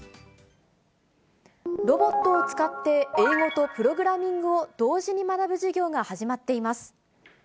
ロボットを使って英語とプログラミングを同時に学ぶ授業が始まっています。